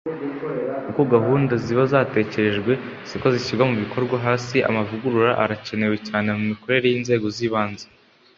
uko gahunda ziba zatekerejwe siko zishyirwa mu bikorwa hasi amavugurura arakenewe cyane mu mikorere y'inzego z'ibanze